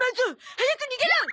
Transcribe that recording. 早く逃げろ！